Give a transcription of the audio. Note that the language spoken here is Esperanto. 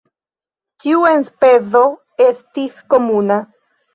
Ĉiu enspezo estis komuna.